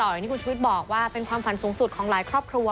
อย่างที่คุณชุวิตบอกว่าเป็นความฝันสูงสุดของหลายครอบครัว